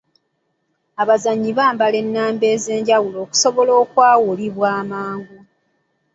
Abazannyi bambala ennamba ez'enjawulo okusobola okwawulibwa amangu.